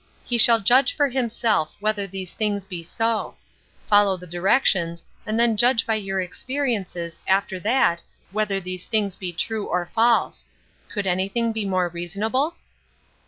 He shall judge for himself whether these things be so; follow the directions, and then judge by your experiences after that whether these things be true or false. Could anything be more reasonable?